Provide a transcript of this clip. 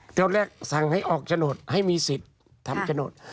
ตอนแรกสั่งให้ออกโฉนดให้มีสิทธิ์ทำโฉนด